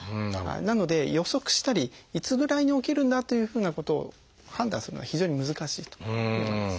なので予測したりいつぐらいに起きるんだというふうなことを判断するのは非常に難しいと思います。